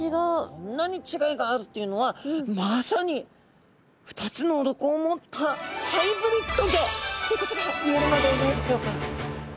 こんなに違いがあるというのはまさに２つの鱗を持ったハイブリッド魚ということがいえるのではないでしょうか。